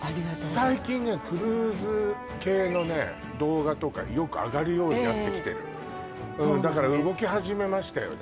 最近ねクルーズ系のね動画とかよく上がるようになってきてるだから動き始めましたよね